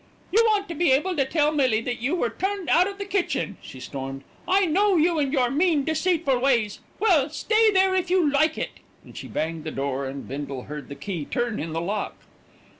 "You want to be able to tell Millie that you were turned out of the kitchen," she stormed. "I know you and your mean, deceitful ways. Well, stay there if you like it!" and she banged the door, and Bindle heard the key turn in the lock.